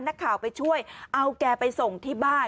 นักข่าวไปช่วยเอาแกไปส่งที่บ้าน